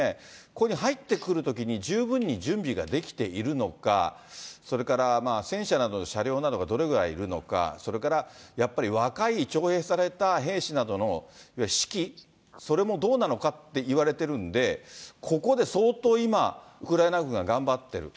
ここに入ってくるときに十分に準備ができているのか、それから戦車などの車両がどれぐらいいるのか、それからやっぱり若い徴兵された兵士などのいわゆる士気、それもどうなのかっていわれてるんで、ここで相当、今、ウクライナ軍が頑張っている。